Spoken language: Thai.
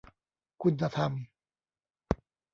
คุณธรรม